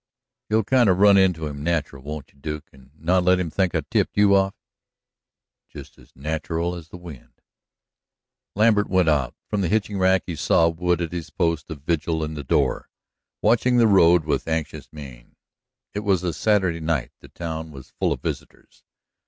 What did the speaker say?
"You'll kind of run into him natural, won't you, Duke, and not let him think I tipped you off?" "Just as natural as the wind." Lambert went out. From the hitching rack he saw Wood at his post of vigil in the door, watching the road with anxious mien. It was a Saturday night; the town was full of visitors.